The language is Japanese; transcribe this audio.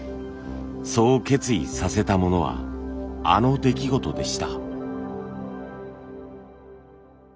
そう決意させたものはあの出来事でした。